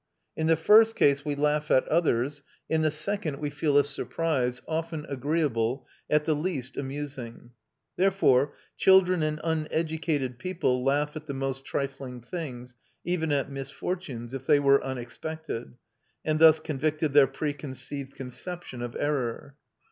In the first case we laugh at others, in the second we feel a surprise, often agreeable, at the least amusing. Therefore children and uneducated people laugh at the most trifling things, even at misfortunes, if they were unexpected, and thus convicted their preconceived conception of error.